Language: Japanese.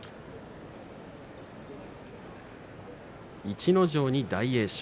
逸ノ城に大栄翔